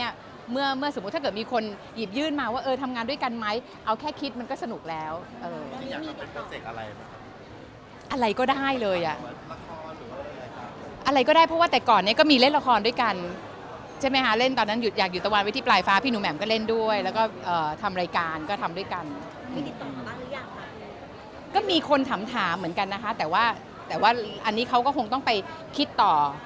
ยืนมาว่าเออทำงานด้วยกันไหมเอาแค่คิดมันก็สนุกแล้วเอออะไรก็ได้เลยอ่ะอะไรก็ได้เพราะว่าแต่ก่อนเนี้ยก็มีเล่นละครด้วยกันใช่ไหมฮะเล่นตอนนั้นอยู่อยากอยู่ตะวันไว้ที่ปลายฟ้าพี่หนูแหม่มก็เล่นด้วยแล้วก็เอ่อทำรายการก็ทำด้วยกันก็มีคนถามถามเหมือนกันนะคะแต่ว่าแต่ว่าอันนี้เขาก็คงต้องไปคิดต่อ